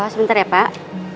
oh sebentar ya pak